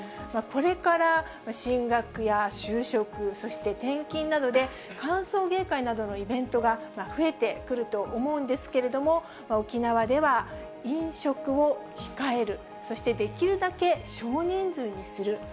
これから進学や就職、そして転勤などで、歓送迎会などのイベントが増えてくると思うんですけれども、沖縄では、飲食を控える、そしてできるだけ少人数にする。